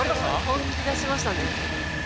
本気出しましたね。